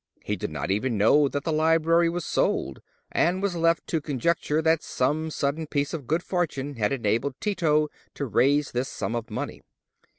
He did not even know that the library was sold, and was left to conjecture that some sudden piece of good fortune had enabled Tito to raise this sum of money.